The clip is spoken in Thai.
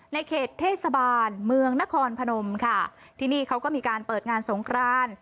ในเขตเทศบาลเมืองนครพนมค่ะที่นี่เขาก็มีการเปิดงานสงคราน